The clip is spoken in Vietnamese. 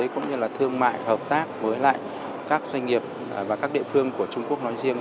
cũng như là thương mại hợp tác với lại các doanh nghiệp và các địa phương của trung quốc nói riêng